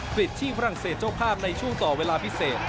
ติดที่ฝรั่งเศสเจ้าภาพในช่วงต่อเวลาพิเศษ